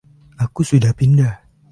Aku sudah pindah.